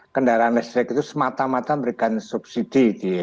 kendaraan listrik itu semata mata memberikan subsidi